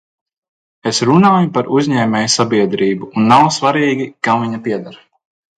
Es runāju par uzņēmējsabiedrību, un nav svarīgi, kam viņa pieder.